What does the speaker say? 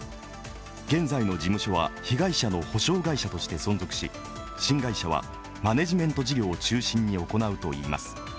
現在の事務所は被害者の補償会社として存続し新会社はマネジメント事業を中心に行うといいます。